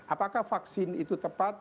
apakah vaksin itu tepat